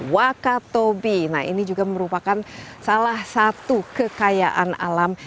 wakatobi nah ini juga merupakan salah satu kekayaan alam